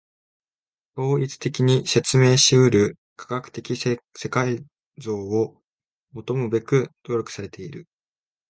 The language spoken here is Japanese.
統一的に説明し得る科学的世界像を求むべく努力されている。